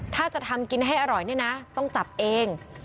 ถ้าจะทำกินให้อร่อยเนี่ยนะต้องจับเอง